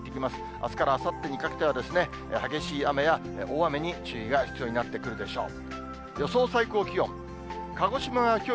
あすからあさってにかけては、激しい雨や大雨に注意が必要になってくるでしょう。